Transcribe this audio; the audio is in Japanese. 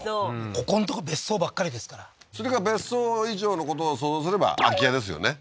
ここんとこ別荘ばっかりですからそれか別荘以上のことを想像すれば空き家ですよね